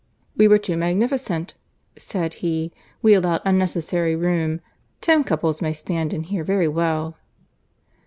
"We were too magnificent," said he. "We allowed unnecessary room. Ten couple may stand here very well."